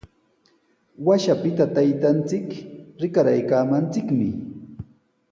Washapita taytanchik rikaraaykaamanchikmi.